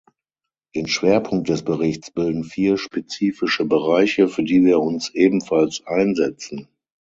Den Schwerpunkt des Berichts bilden vier spezifische Bereiche, für die wir uns ebenfalls einsetzen.